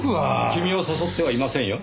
君を誘ってはいませんよ。